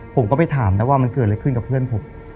ผมก็ไปถามนะว่ามันเกิดอะไรขึ้นกับเพื่อนผม